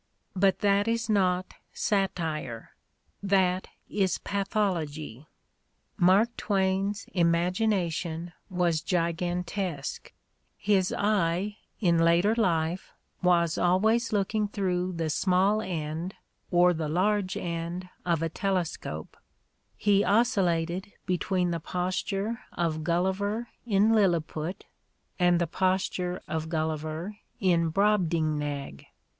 But that is not satire: that is pathology. Mark Twain's imagination was gigantesque: his eye, in later life, was always looking through the small end or the large end of a telescope ; he oscillated between the posture of Gulliver in Lilliput and the posture of Gul liver in Brobdingnag.